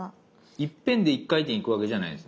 いっぺんで一回転いくわけじゃないんですね？